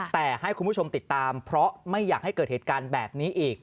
แต่ให้คุณผู้ชมติดตามเพราะไม่อยากให้เกิดเหตุการณ์แบบนี้อีก